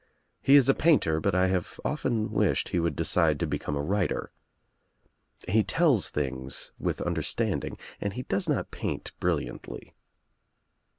He is a painter but I have often wished he would decide to become a writer. He tells things with understanding and he does not paint brilliantly.